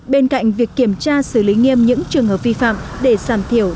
bên cạnh việc kiểm tra xử lý nghiêm những trường hợp vi phạm để giảm thiểu